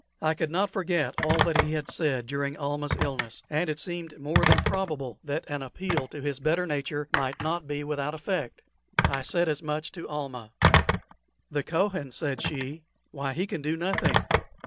I could not forget all that he had said during Almah's illness, and it seemed more than probable that an appeal to his better nature might not be without effect. I said as much to Almah. "The Kohen," said she; "why, he can do nothing."